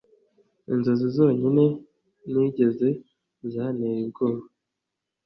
inzozi zonyine nigeze zanteye ubwoba